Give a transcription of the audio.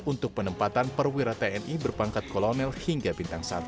untuk penempatan perwira tni berpangkat kolonel hingga bintang satu